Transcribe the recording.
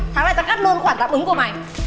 tháng này tao cắt luôn khoản giáp ứng của mày